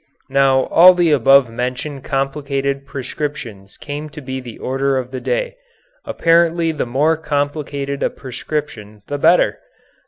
Now all the above mentioned complicated prescriptions came to be the order of the day. Apparently the more complicated a prescription the better.